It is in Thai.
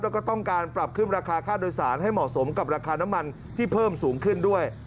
แล้วก็ต้องการปรับขึ้นราคาค่าโดยสารให้เหมาะสมกับราคาน้ำมันที่เพิ่มสูงขึ้นด้วย